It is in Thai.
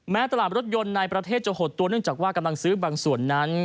ตลาดรถยนต์ในประเทศจะหดตัวเนื่องจากว่ากำลังซื้อบางส่วนนั้น